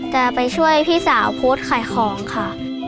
จะไปช่วยพี่สาวโพสต์ขายของค่ะ